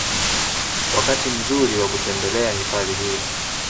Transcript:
Wakati mzuri wa kutembelea hifadhi hii